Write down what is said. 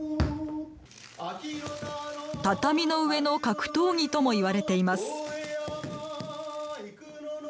畳の上の格闘技とも言われています。